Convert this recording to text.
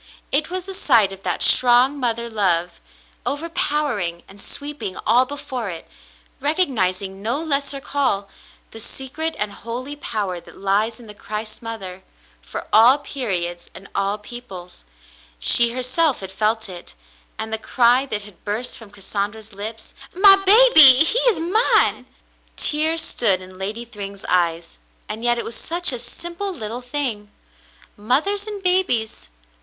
It was the sight of that strong mother love, overpowering and sweeping all before it, recognizing no lesser call — the secret and holy power that lies in the Christ mother, for all periods and all peoples — she herself had felt it — and the cry that had burst from Cassandra's lips, "My baby — he is mine." Tears stood in Lady Thryng's eyes, and yet it was such a simple little thing. Mothers and babies